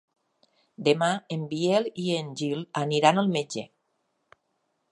Demà en Biel i en Gil aniran al metge.